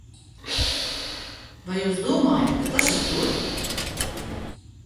Vai jūs domājat, ka tas ir tur?